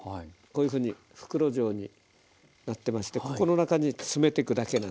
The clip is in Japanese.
こういうふうに袋状になってましてここの中に詰めてくだけなんですね。